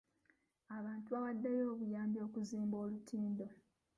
Abantu baawaddeyo obuyambi okuzimba olutindo.